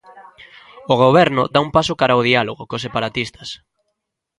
O Goberno da un paso cara ao diálogo cos separatistas.